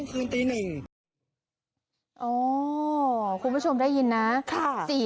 อ๋อคุณผู้ชมได้ยินนะค่ะ